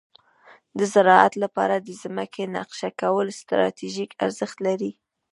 د زراعت لپاره د ځمکې نقشه کول ستراتیژیک ارزښت لري.